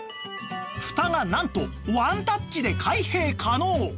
フタがなんとワンタッチで開閉可能！